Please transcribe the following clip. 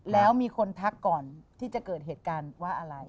แล้วมีคนทักก่อนที่จะเกิดเหตุการณ์ว่าอะไร